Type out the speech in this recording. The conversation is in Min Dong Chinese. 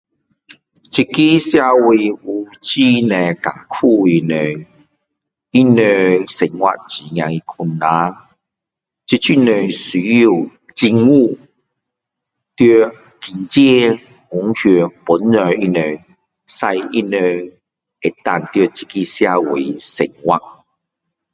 这个社会有很多坎苦的人。他们生活非常困难。这种人需要政府在赚钱方向帮助他们。用他们可以在这个社会生活。